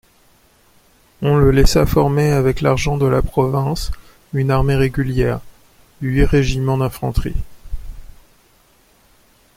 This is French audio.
On le laissa former, avec l'argent de la province, une armée régulière, huit régiments d'infanterie.